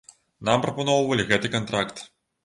Нам прапаноўвалі гэты кантракт.